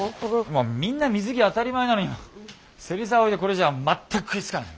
みんな水着当たり前なのに芹澤あおいでこれじゃ全く食いつかない。